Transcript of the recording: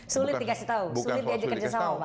sulit dikasih tahu